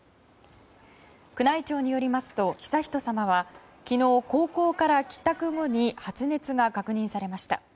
宮内庁によりますと悠仁さまは昨日、高校から帰宅後に発熱が確認されました。